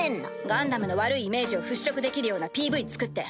ガンダムの悪いイメージを払拭できるようなＰＶ作って。